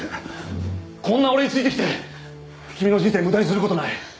こんな俺についてきて君の人生無駄にする事ない。